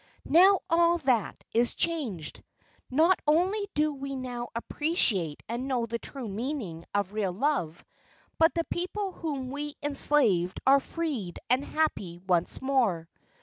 "Now all that is changed. Not only do we now appreciate and know the true meaning of real love but the people whom we enslaved are freed and happy once more.